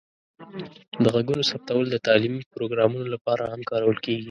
د غږونو ثبتول د تعلیمي پروګرامونو لپاره هم کارول کیږي.